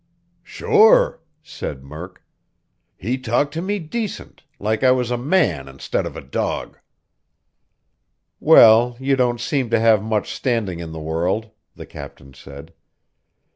"Sure!" said Murk. "He talked to me decent, like I was a man instead of a dog." "Well, you don't seem to have much standing in the world," the captain said.